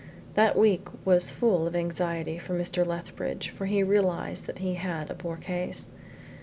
That week was full of anxiety for Mr. Lethbridge, for he realised that he had a poor case.